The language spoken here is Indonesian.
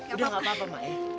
udah gak apa apa mbak